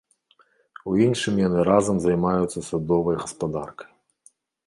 У іншым яны разам займаюцца садовай гаспадаркай.